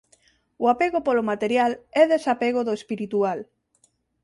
O apego polo material é desapego do espiritual.